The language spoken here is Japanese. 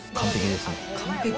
完璧？